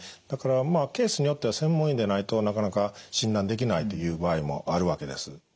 だからまあケースによっては専門医でないとなかなか診断できないという場合もあるわけです。